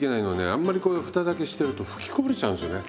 あんまりこう蓋だけしてると吹きこぼれちゃうんですよね